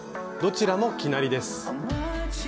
どちらも生成りです。